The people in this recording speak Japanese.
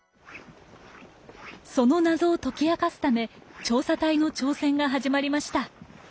その謎を解き明かすため調査隊の挑戦が始まりました。